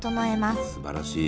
すばらしい。